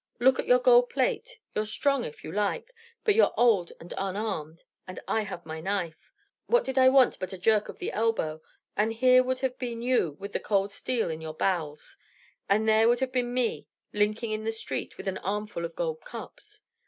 Look at your gold plate! You're strong, if you like, but you're old and unarmed, and I have my knife. What did I want but a jerk of the elbow, and here would have been you with the cold steel in your bowels, and there would have been me, linking in the streets, with an armful of gold cups!